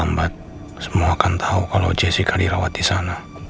lambat semua akan tahu kalau jessica dirawat di sana